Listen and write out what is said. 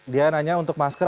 dia nanya untuk masker